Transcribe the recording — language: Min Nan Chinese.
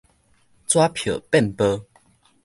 紙票變薄